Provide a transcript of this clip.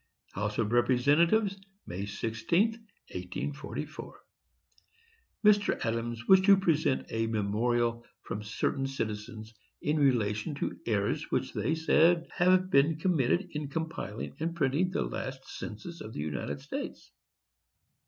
HOUSE OF REPRESENTATIVES. May 16, 1844.—Mr. Adams wished to present a memorial from certain citizens in relation to errors which they say have been committed in compiling and printing the last census of the United States.